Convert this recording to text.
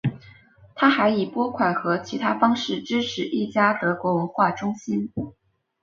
他还以拨款和其他方式支持一家德国文化中心。